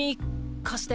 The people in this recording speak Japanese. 貸して。